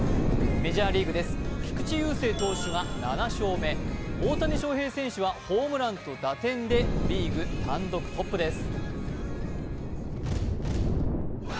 メジャーリーグです、菊池雄星投手が７勝目、大谷翔平選手はホームランと打点でリーグ単独トップです。